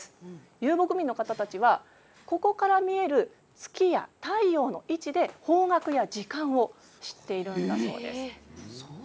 遊牧民の方たちはここから見える月や太陽の位置で方角や時間を知っているんだそうです。